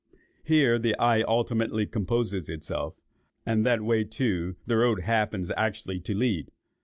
Here the eye ultimately composes itself; and that way, too, the road happens actually to lead.